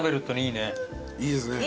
いいですよね。